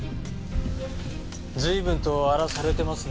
随分と荒らされてますね。